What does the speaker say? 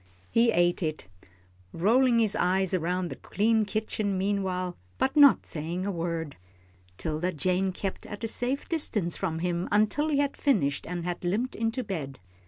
He ate it, rolling his eyes around the clean kitchen meanwhile, but not saying a word. 'Tilda Jane kept at a safe distance from him until he had finished and had limped into bed.